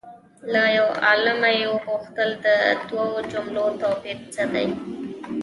له یو عالمه یې وپوښتل د دوو جملو توپیر څه دی؟